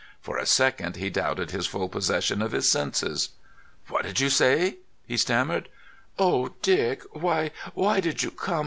For a second he doubted his full possession of his senses. "What did you say?" he stammered. "Oh, Dick! Why, why did you come?